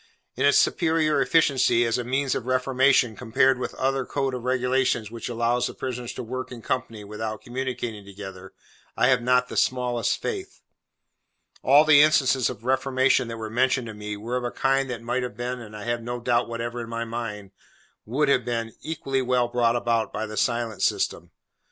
In its superior efficiency as a means of reformation, compared with that other code of regulations which allows the prisoners to work in company without communicating together, I have not the smallest faith. All the instances of reformation that were mentioned to me, were of a kind that might have been—and I have no doubt whatever, in my own mind, would have been—equally well brought about by the Silent System.